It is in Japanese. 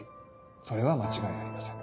それは間違いありません。